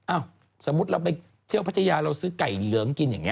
สมมุติเราไปเที่ยวพัทยาเราซื้อไก่เหลืองกินอย่างนี้